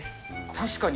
確かに。